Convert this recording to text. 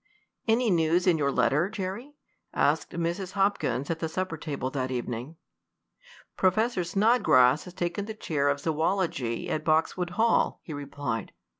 "Any news in your letter, Jerry?" asked Mrs. Hopkins at the supper table that evening. "Professor Snodgrass has taken the chair of zoology at Boxwood Hall," he replied.